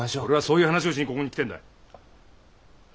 俺はそういう話をしにここに来てんだ。